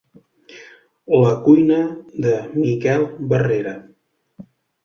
La cuina de Miquel Barrera.